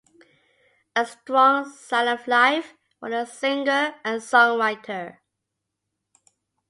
A strong sign of life for the singer and songwriter.